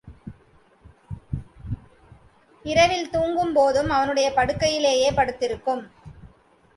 இரவில் தூங்கும் போதும் அவனுடைய படுக்கையிலேயே படுத்திருக்கும்.